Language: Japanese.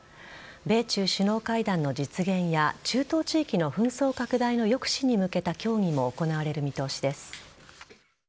米中首脳会談の実現や中東地域の紛争拡大の抑止に向けた協議も行われる見通しです。